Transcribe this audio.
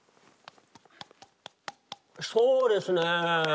そうですね。